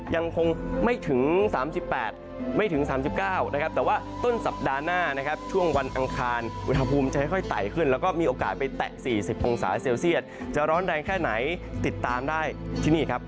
ยังคงไม่ถึง๓๘ไม่ถึง๓๙นะครับแต่ว่าต้นสัปดาห์หน้านะครับช่วงวันอังคารอุณหภูมิจะค่อยไต่ขึ้นแล้วก็มีโอกาสไปแตะ๔๐องศาเซลเซียตจะร้อนแรงแค่ไหนติดตามได้ที่นี่ครับ